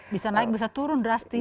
bisa naik bisa turun drastis